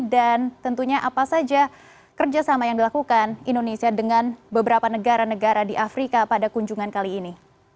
dan tentunya apa saja kerjasama yang dilakukan indonesia dengan beberapa negara negara di afrika pada kunjungan kali ini